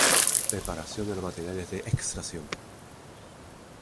Preparación de los materiales de extracción.